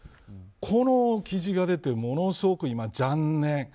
この記事が出てものすごく今、残念。